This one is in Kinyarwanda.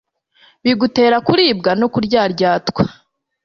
bigutera kuribwa no kuryaryatwa,